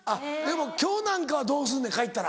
今日なんかはどうすんねん帰ったら。